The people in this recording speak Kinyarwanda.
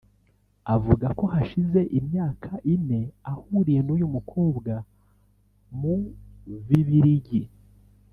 Avuga ko hashize imyaka ine ahuriye n’uyu mukobwa mu Bibiligi